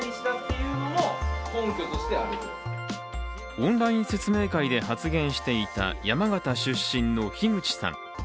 オンライン説明会で発言していた、山形出身の樋口さん。